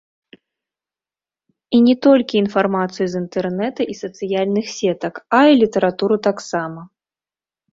І не толькі інфармацыю з інтэрнэта і сацыяльных сетак, а і літаратуру таксама.